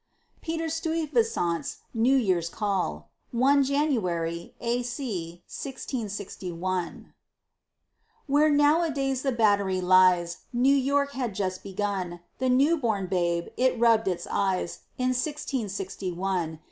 PETER STUYVESANT'S NEW YEAR'S CALL [I. Jan. A. C. 1661] Where nowadays the Battery lies, New York had just begun, A new born babe, to rub its eyes, In Sixteen Sixty One.